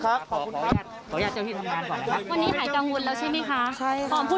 ขออนุญาตนะครับขออนุญาตนะครับขออนุญาตนะครับขออนุญาต